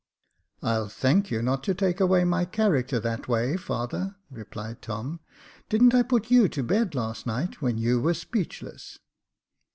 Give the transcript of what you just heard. " I'll thank you not to take away my character that way, father," replied Tom. " Didn't I put you to bed last night when you were speechless